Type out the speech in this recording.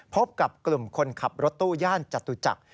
พบกับกลุ่มคนขับรถตู้ย่านจตุจักร